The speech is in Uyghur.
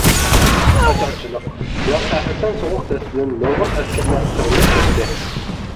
ئاچارچىلىق ۋە قەھرىتان سوغۇق دەستىدىن نۇرغۇن ئەسكەرلەر قىرىلىپ كەتتى.